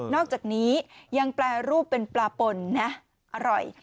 อกจากนี้ยังแปรรูปเป็นปลาปนนะอร่อย